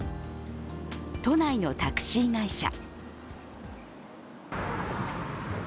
都内のタクシー会社。